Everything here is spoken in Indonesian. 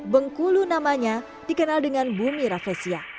bungkulu namanya dikenal dengan bumi rafflesia